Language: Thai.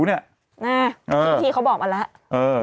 พี่เขาบอกมาแล้ว